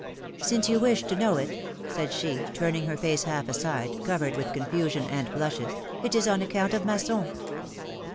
Since you wish to know it," said she, turning her face half aside, covered with confusion and blushes, it is on account of Masson."